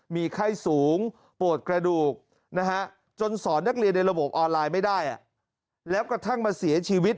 มีไข้สูงปวดกระดูกนะฮะจนสอนนักเรียนในระบบออนไลน์ไม่ได้แล้วกระทั่งมาเสียชีวิต